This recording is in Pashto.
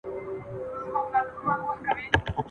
د پردیو خلوتونو په تیارو کي به ښخیږي ..